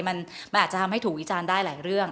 มันอาจจะทำให้ถูกวิจารณ์ได้หลายเรื่อง